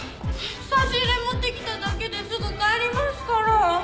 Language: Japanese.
差し入れ持ってきただけですぐ帰りますからー。